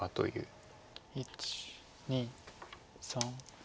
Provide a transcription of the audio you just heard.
１２３。